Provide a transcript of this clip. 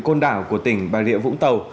côn đảo của tỉnh bà rịa vũng tàu